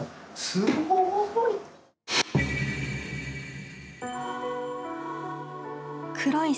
すごい！